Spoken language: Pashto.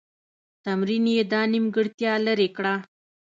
تمرین یې دا نیمګړتیا لیري کړه.